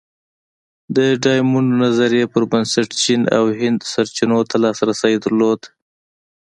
د ډایمونډ نظریې پر بنسټ چین او هند سرچینو ته لاسرسی درلود.